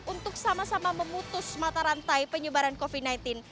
untuk sama sama memutus mata rantai penyebaran covid sembilan belas